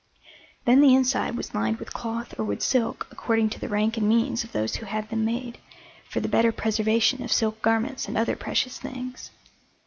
Then the inside was lined with cloth or with silk, according to the rank and means of those who had them made, for the better preservation of silk garments and other precious things.